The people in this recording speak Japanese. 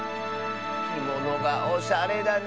きものがおしゃれだね。